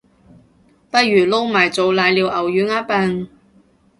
不如撈埋做瀨尿牛丸吖笨